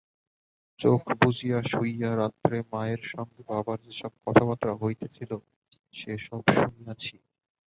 চোখ বুজিয়া শুইয়া রাত্রে মায়ের সঙ্গে বাবার যেসব কথাবার্তা হইতেছিল, সে সব শুনিয়াছে।